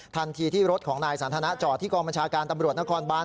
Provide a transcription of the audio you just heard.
ทันทีที่รถของนายสันทนาจอดที่กองบัญชาการตำรวจนครบาน